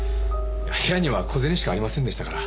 部屋には小銭しかありませんでしたから。